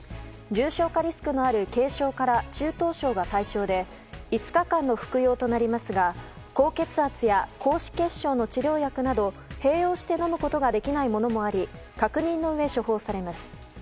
重症化リスクのある軽症から中等症が対象で５日間の服用となりますが高血圧や高脂血症の治療薬など併用して飲むことができないものもあり確認のうえ、処方されます。